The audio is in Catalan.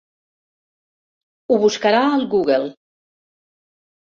Ho buscarà al Google.